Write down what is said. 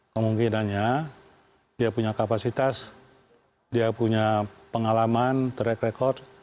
kemungkinannya dia punya kapasitas dia punya pengalaman track record